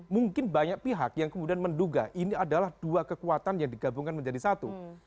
mungkin banyak pihak yang kemudian menduga ini adalah dua kekuatan yang digabungkan menjadi satu